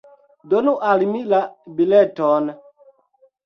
Donu al mi la bileton.